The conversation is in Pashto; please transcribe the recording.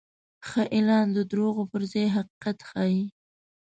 ښه اعلان د دروغو پر ځای حقیقت ښيي.